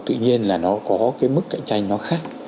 tự nhiên là nó có cái mức cạnh tranh nó khác